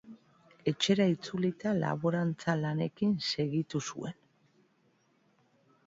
Etxera itzulita, laborantza lanekin segitu zuen.